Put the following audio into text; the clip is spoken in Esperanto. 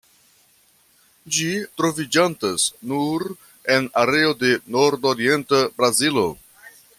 Ĝi troviĝantas nur en areo de nordorienta Brazilo.